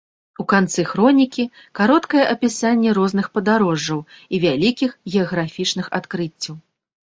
У канцы хронікі кароткае апісанне розных падарожжаў і вялікіх геаграфічных адкрыццяў.